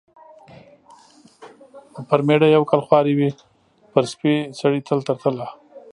پر مېړه یو کال خواري وي، پر سپي سړي تل تر تله.